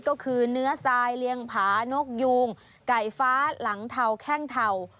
ก็คือเนื้อทรายเลี้ยงผานกยูงไก่ฟ้าหลังเทาแข้งเทา